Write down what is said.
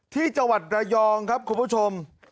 ที่จังหวัดระยองครับคุณผู้ชม